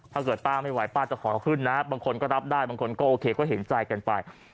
ถ้าเกิดป้าไม่ไหวป้าจะขอขึ้นนะบางคนก็รับได้บางคนก็โอเคก็เห็นใจกันไป